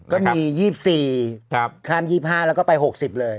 ก็มี๒๔ข้าม๒๕แล้วก็ไป๖๐เลย